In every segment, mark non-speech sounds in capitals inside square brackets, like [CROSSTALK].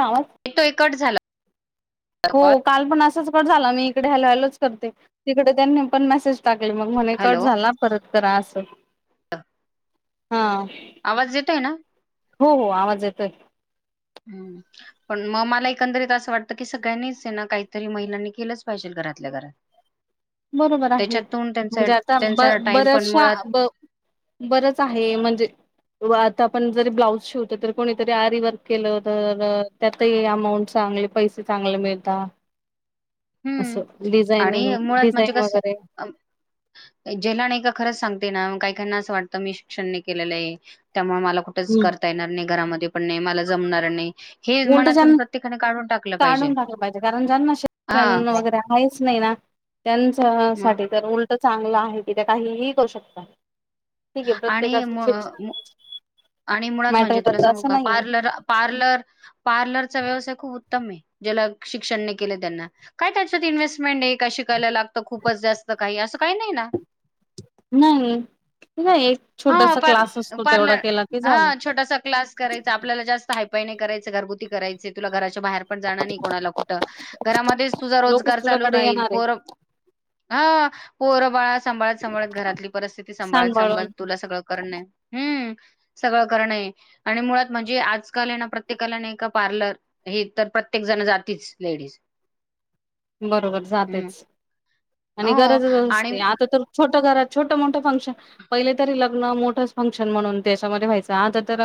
आवाज तो एक कट झाला. हो कॉल काल पण असाच कट झाला मी इकडे हॅलो हॅलो च करते तिकडे त्यांनी पण मेसेज टाकले मग म्हणे कट हॅलो झाला परत करा असं. हा. आवाज येतय ना. हो हो आवाज येतोय. हम पण मग मला एकंदरीत असं वाटतं की सगळ्यांनीच आहे ना काहीतरी महिलांनी केलंच पाहिजे घरात ल्याघरात. बरोबर आहे म्हणजे आता ब त्यांचा टाइम पण बऱ्याचशा मुळात ब बरंच आहे म्हणजे. आता आपण जरी ब्लाऊज शिवतो तर कोणीतरी आरी वर्क केलं तर त्यातही अमाऊंट सांग पैसे चांगले मिळतात. [UNINTELLIGIBLE] असं आणि डिझायनिंग. मुळात म्हणजे डिझाईन कस वगैरे जेला नाही का खरंच सांगते ना काहीकना असं वाटत मी शिक्षण नाही केलेलं आहे त्यामुळे मला कुठेच करता येणार नाही घरामध्ये पण नाही मला जमणार नाही. हे उलट मनातून जन प्रत्येकाने काढून टाकलं पाहिजे काढून टाकलं पाहिजे कारण ज्यांना श क्य हा त्याना जरा आहेच नाही ना त्यांच्या म- साठी तर चांगलं आहे कि त्या काहीही करू शकता ठीक आहे आणि प्रत्येकाच शिक्षण- मु- आणि मुळात मॅटर म्हणजे तुला करत सांगू असं का नाहीये पार्लर पार्लर, पार्लरचा व्यवसाय खूप उत्तम आहे ज्याला शिक्षणने केले त्यांना काय त्याच्यात इन्व्हेस्टमेंट आहे कशीाय लागत. खूपच जास्त काही असं काही नाही ना. नाही. नाही एक ह छोटासा पार क्लास असतो तेवढा पार्लर केला की हा झालं छोटासा क्लास करायचा आपल्याला जास्त, हाय फाय नाही करायच घरगुती करायच तुला घराच्या बाहेर पण जण नाही कुनाला कुट, घरा मधेंच तुजा लोकच रोजगार चालू तुझ्याकडे राहील. येणार आहे पोर, हा पोर बाळा सांभाळत सांभाळत घरातली परिस्थिती सांभाळत सांभाळत. सांभाळून त करणे. ह सगळं करणं आहे आणि मुळात म्हणजे आजकाल आहे ना प्रत्येकाला नाही का पार्लर हे, तर प्रत्येक जण जातीच लेडीज. बरोबर हम्म जातेच आणि हो गरजच आणि असते आता तर, छोट घरात छोट मोठं फंक्शन पहिले तरी लग्न मोठंच फंक्शन म्हणून त्याच्यामध्ये व्हायचं आता तर,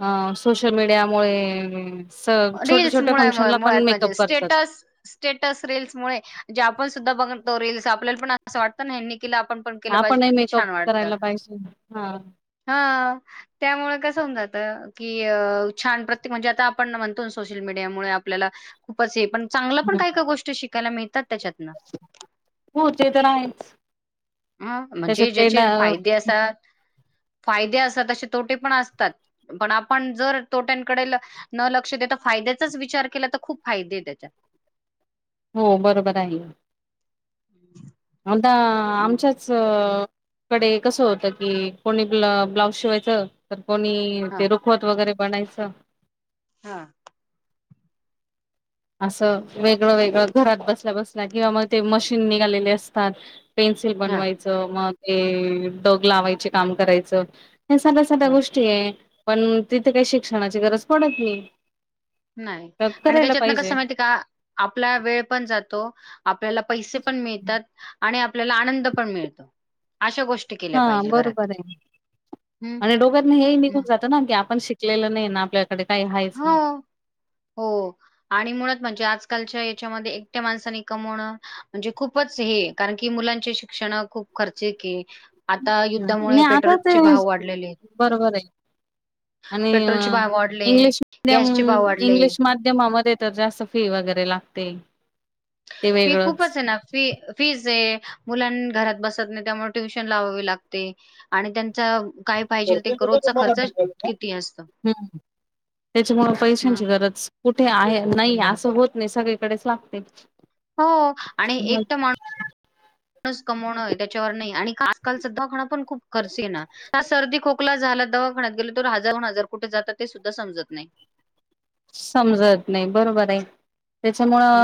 अ सोशल मीडियामुळे. स छोट्या रीलस छोट्या मुळे फंक्शनला पण मुळात म्हणजे मेकअप करतात स्टेटस स्टेट रीलस. मुळे जे आपण सुद्धा बघेल आपल्याला पण असं वाटतं ना ह्यानीं केल आपण पण केलं पाहिजे आपणही किती मेकअप छान वाटतं. करायला पाहिजे हा हा त्यामुळे कस होऊन जात. की छान प्रत्येक म्हणजे आता आपण म्हणतो सोशल मीडिया मु आपल्याला खूपच हे पण. चांगलं पण काय काय गोष्टी शिकायला मिळतात. त्याच्यातनं. हो ते तर नाहीच. अं म्हणजे ज्याचे फायदे असात फादे असतात असे तोटे पण असतात पण आपण जर तोट्यांकडे न लक्ष दता फा फायद्याचाच विचार केला तर खूप फायदे त्याच्या हो बरोबर आहे हम्म आता आमच्याचं कडे कसं होत की, कोणी ब्ल ब्लाउज शिवायचं तर कोणी हां, ते रुखवत वगैरे बनायचं. हां असं वेगळं वेगळं, घरात बसल्या बसल्या, किंवा मग ते मशीन निघालेले असतात. पेन्सिल हां, बनवायचं, मग ते डग लावायचे काम करायचं. हे साध्या साध्या हां. गोष्टी हे, पण तिथे काही शिक्षणाची गरज पडत नाही. नाही, तर आणि करायला त्याच्यातनं कस पाहिजे माइते का आपला वेळ पण जातो. आपल्याला पैसे पण मिळतात, आणि आपल्याला आनंद पण मिळतो. अशा गोष्टी केल्या हां पाहिजेल घरात. बरोबर आय. हं. आणि डोग्यातनं हेही निघून हं. जातं ना की आपण शिक लेलं नाही ना आपल्या हो, हो आणि मुळात म्हणजे आज आजकालच्या हेच्यामध्ये एकट्या माणसानी कमवणं म्हणजे खूपच हे, कारण की मुलांचे शिक्षणा खूप खर्चीके आता हां, युद्धामुळे नाही आता पेट्रोल ते चे भाव वाढलेलेत. बरोबर आहे पेट्रोलचे भाव वाढले. त्यान गॅसचे भाव वाढले. इंग्लिश माध्यमामध्ये तर जास्त फी वगैरे लागते. ते फी वेगळंच. खूपचे ना फी फीज हे. मुलान् घरात बसत नाही त्यामुळे ट्युशन लावावी लागते. आणि त्यांचा काय पाहिजेल ते? रोजचा खर्चा हम्म किती असतं. त्याच्यामु पैशांची गरज कुठे आहे नाही असं होत नाही सगळीकडेच लागते. हो आणि एक तर माण बस कमावणं ए त्याच्यावर नई आणि आजकालचं दवखण पण खूप खर्च एक ना. सर्दी खोकला झाला दवाखानत गेल तर हजारहून हजार कुठे जातात ते सुद्धा समजत नई. समजत नाही बरोबर आय.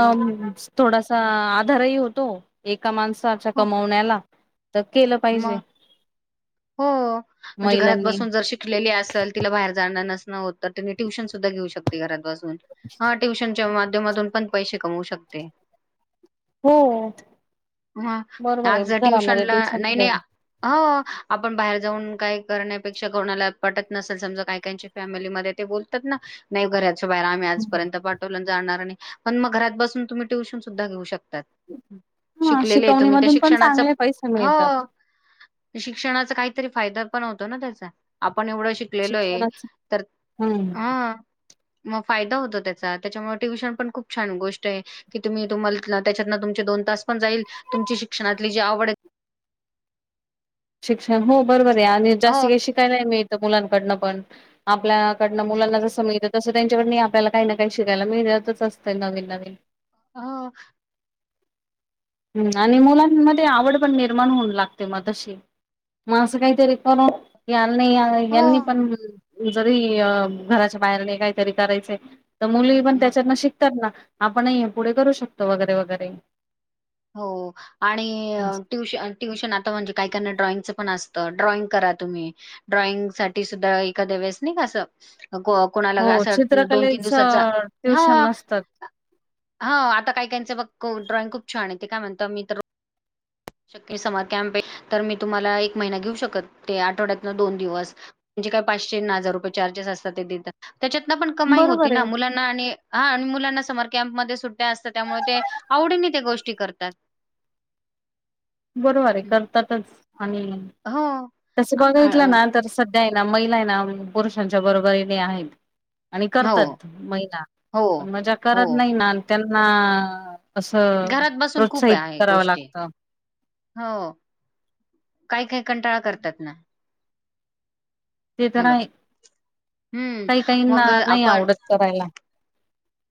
मग थोडासा आ धरही होतो एका माणसाच्या हो कमवण्याला. तर केलं पाहिजे. मग हो, म्हणजे घरात महिलांनी बसून जर शिकलेली असेल तिला बाहेर जाणं नस हो त तुमी ट्युशन सुद्धा घेऊ शकते घरात बसून. हां ट्युशन च्या माध्यम उदमातून पण पैसे कमवू शकते. हो हां बरोबर आहे आज घरामध्ये ट्युशनला ट्युशन नई-नई घे. आ हो आपण बाहेर जाऊन काय करण्यापेक्षा कोणाला पटत नसेल समजा काय कायंचे फॅमिलीमध्ये ते लतात ना नाही घरात. च्या बाहेर आमी आजपर्यंत पाठवलं जाणार नई, पण मग घरात बस तुम्ही ट्युशन सुद्धा घेऊ शक तात हा शिकलेले ए शिकवणी तुम्ही त्या मधून पण शिक्षणाचं चांगले पैसे मिळतात हो, शिक्षणाचा काहीतरी फायदा पण होतो ना त्याचा. पण एवढं शिकलेलो ए शिक्षणाच तर हम्म हं. म फायदा होतो त्याचा त्याच्यामुळे ट्युशन पण खूप छान गोष्ट आहे की तुम्ही तुम्हाल त्याच्यातनं तुमचे दो न तास पण जाईल तुमची शिक्षणातली जी आवड ए शिक्षण हो बरोबर हे, आणि हो जास्ती काही शिकाय नाही मिळतं मुलांकडनं पण. आपल्याकडनं मुलांना जसं मितं. तसं त्यांच्याकडनं ही आपल्याला काही ना काही शिकायला मिळतच असतं नवीन नवीन. हं हम्म आणि मुलांमध्ये आवड पण निर्माण होऊन लागते म तशी. म असं काहीतरी तनं नाई या हो महिलांनी पण जरी अ घराच्या बाहेर नाही काहीतरी करायचे. त मुली पण म त्याच्यातनं शिकतात ना, आपणही पुढे करू शकतो वगैरे वगैरे. हो आणि टुश ट्युशन आता म्हणजे काही काहींना ड्रॉइंगचं पण अस अं ड्रॉइंग करा तुम्ही, ड्रॉइंग साठी सुद्धा एखाद्या वेळेस नाही का असं को कोणाला हो असं, दोन तीन चित्रकलेच दिवसाचा, ट्युशन हां नसतात हां आता काही काहीचं बघ ड्रॉइंग खूप छान हे, ते काय म्हणतं मी तर श्यक्य समर कॅम्प आहे, तर मी तुम्हाला एक महिना घेऊ शकत ते आठवड्यातन दोन दिवस जे काय, पाचशे न हजार रुपये चार्जेस असतात ते देतात. त्याच्यातनं पण कमाई होती बरोबर ना, आहे मुलांना आणि हा अन मुला समरकॅम्प मध्ये सुट्या असतात, त्यामुळे ते आवडीने ते गोष्टी करतात. बरोबर आहे करतातच आणि हो. तसं अ, बघितलं अ, ना तर स- सध्या आहे ना महिला आहे ना पुरुषांच्या बरोबरीने आहेत. आणि हो, करतात महिला हो, पण मजा हो. करत नाही ना त्यांना असं, घरात बसून खूप प्रोत्साहित आहे करावं गोष्टी. लागत हो काही काही कंटाळा करतात ना ते तर हॅलो, आहे हम्म, काही काहींना मग नाही आपण आवडत करायला.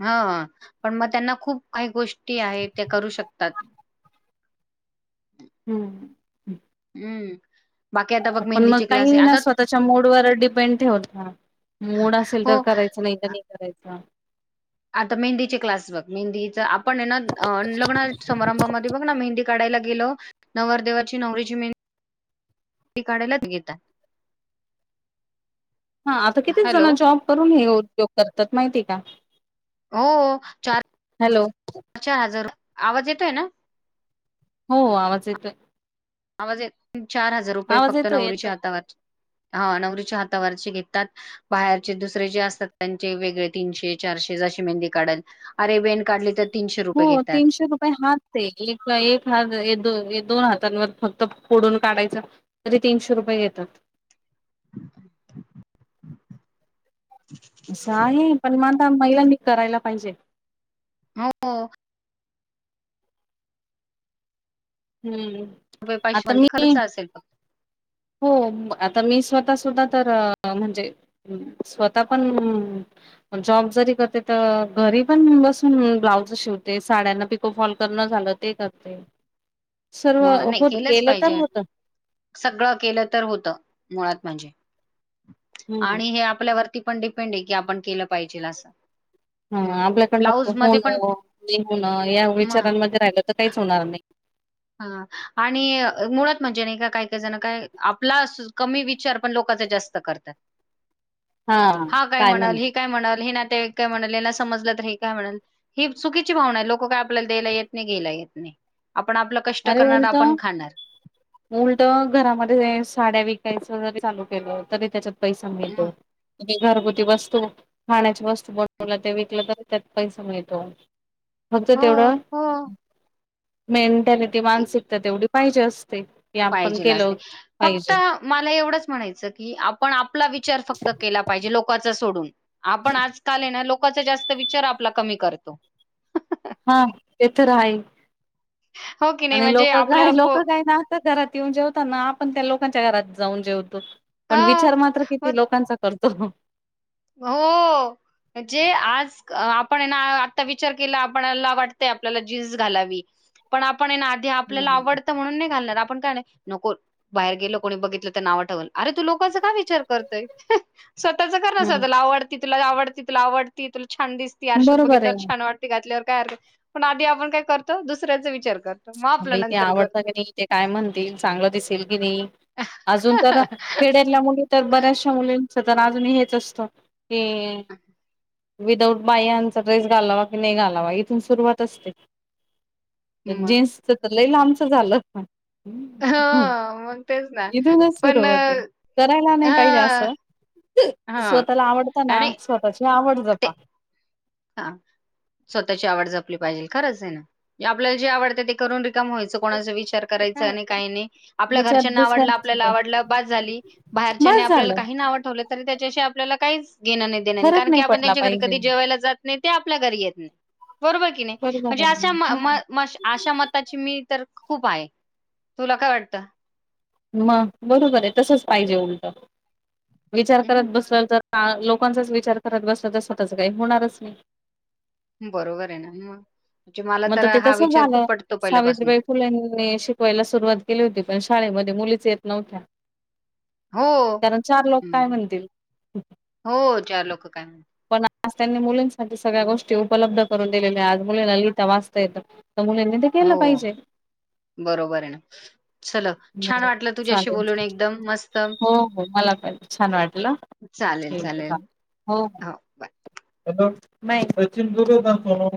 हं हं पण मग त्यांना खूप काही गोष्टी आहेत ते करू शकतात. हम्म हम्म पण मग काही ना स्वतःच्या मूडवर डिपेंड ठेवतात मूड असेल तर हो करायचं, नाही तर नाही करायचं. आता मेहंदीचे क्लास बघ मेहंदीच आप - आपण हायना लग्न समारंभामध्ये बघ ना मेंहदी काढायला गेलो नवर देवाची नवरीची मेंहदी काढायला घेतात. [INAUDIBLE] हा आता कितीच हॅलो जण जॉब करून, हे उद्योग करतात, माहिती का? हो, चार हॅलो हजार [UNINTELLIGIBLE] हो, आवाज येतोय आवाज येेतोय, चार हजार रुपये आवाज फक्त येतोय नवरीच्या येतोय हातावर हा नवरीच्या हातावरचे घेतात. बाहेरचे दुसरे जे असतात त्यांचे वेगळे तीनशे, चारशे जशी मेंदी काढल, अरे वीण काढली तर तीनशे हो रुपये घेतात तीनशे रुपये हात ते एक एक हात दोन हातांवर फक्त पुढून काढायचं तरी तीनशे रुपये घेतात. असं आहे, पण म आता महिलांनी करायला पाहिजे. हो [UNINTELLIGIBLE] हम्म रुपये आता पैशवांती मी खर्च असेल [UNINTELLIGIBLE] हो आता मी स्वतः सुद्धा तर म्हणजे स्वतः पण जॉब जरी करते त घरी पण बसून ब्लाउज शिवते, साड्यांना पिकोफॉल कर पून्हा झालं, ते करते सर्व म नाही, होत केलंच केलं तर पाहिजे, होत सगळं केलं तर होतं, मुळात म्हणजे हम्म आणि हे आपल्यावरती पण डीप पेंड आहे की, आपण केलं पाहिजे असं. हा आपल्याकडं ब्लाऊज [UNINTELLIGIBLE] मध्ये पण होणं, नाही होणं, या ह विचारांमध्ये राहिलं तर काहीच होणार नाही. हा आणि मुळात म्हणजे नाही का, कायकाय जण काय, आपला कमी विचार पण लोक - का च जास्त करत्यात, हा काय म्हणल, ही काय म्हणल, ही [UNINTELLIGIBLE] ते काय म्हणल, यांना समजलं तर हे काय म्हणल, ही चुकीची भावना आहे, लोक काय आपल्याला दयायला येत नाही, घेयला येत नाही. आप अरे, उलटं उलटं घरामध्ये साड्या विकायच् घरगुती चालू केलं तरी त्याच्यात पैसा मिळतो, मग म ते घरगुती वस्तू, खाण्याची वस्तू बनवला ते विकलं तर त्यात पैसा मिळतो खर्च हो तेवढं हो मेंटॅलिटी मानसिकता तेवढी पाहिजे अस पाहिजे ला असते फक्त मला एवढंच. म्ह नायच की आपण आपला विचार फक्त केला पाहिजे. लोकाचा सोडून आपण आजकाल हाय ना लोक -कांचा जास्त विचार आपला कमी करतो. हा ते तर आहे. हो की नाही आणि म्हणजे लोक काय आपल्याला को लोकं काय ना आता घरात येऊन जेवताना आपण त्या लोकांच्या घरात जाऊन जेवतो. अ पण विचार मात्र मग किती लोकांचा करतो. हो. म्हणजे आज आपण ना आता विचार केला आपणला वाटतय आपल्याला जीन्स घालावी पण आपण ना आधी आपल्याला हम्म. आवडत म्हणून नाही घालता पण काय नाही नको बाहेर गेल कोणी बघितलं तर नाव ठेवल अरे तू लोकांचा काय विचार करतोय. स्वतःचा हम्म तुला आवडती, तुला आवडती, तुला आवडती तुला छान दिसती आरश्या त बरोबर आहे. बघितल्यावर छान वाटती घातल्यावर. काय पण आधी आपण काय करतो दुसऱ्याचा विचार करतो मग आपला इथे नंतर आवडतं करतो. की नाही इथे काय म्हणतील चांगलं दिसेल की नाही. अजून तर खेड्यातल्या मुली तर बऱ्याचशा मुली अजून ही हेच असत ते विदाऊट बाह्यांच्या ड्रेस घालावा की नाही घालावा इथून सुरुवात असते. मग जीन्सच तर लई लांबचं झालं हां, मग तेच ना. इथूनच पण सुरुवात आहे अ, करायला नाही पाहिजे हां, असं. हां स्वतःला आवडताना आणि स्वतःची आवड जपा. हा स्वतःची आवड जपली पाहिजे खरंच आहे ना. आपल्याला जे आवडते ते करून रिकाम व्हायचं. कोणाचा करायचा नाही काय नाही आपल्या विचार घरच्या ना आवडल दुसऱ्यांच आपल्याला आवड बास झाली. बाहेर बस आपल्याला झालं काही नाव ठेवलं तरी त्याच्याशी आपल्याला काहीच घेण नाही देन नाही. फरक कारण की आपण पडला त्यांच्या घरी पाहिजे कधी जेवायला जात नाही ते आपल्या घरी येत नाही. बरोबर की नाही बरोबर म्हणजे आहे अशा हा म अशा मताची मी तर खूप आहे तुला काय वाटत? म बरोबर आहे तसच पाहिजे उलट विचार हं. करत बसल तर लोकांचाच विचार करत बसत तर स्वतःच काही होणारच नाही. बरोबर आहे ना मग मला मग तर ते हा तस विचार खूप झालं पटतो पहिल्यापासून. सावित्रीबाई फुलेंनी शिकवायला सुरुवात केली होती पण शाळेमध्ये मुलीच येत नव्हत्या हो. कारण चार लोक काय हं. म्हणतील. हो, चार लोक काय म्हणतात. पण आज त्यांनी मुलीं सगळ्या गोष्टी उपलब्ध करून दिलेल्या आज मुली लिहिता वाचता येत. तर मुलांनी तर केलं हो, पाहिजे. बरोबर आहे ना चल छान वाटलं तुझ्याशी चालेल बोलून एकदम मस्त. हो हो छान वाटल. चालेल चालेल. [UNINTELLIGIBLE] हो हो हॅलो बाय